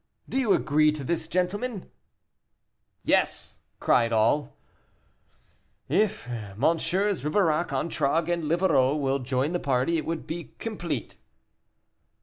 Do you agree to this, gentlemen?" "Yes!" cried all. "If MM. Ribeirac, Antragues, and Livarot would join the party, it would be complete."